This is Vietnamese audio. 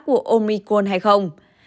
của omicron hay không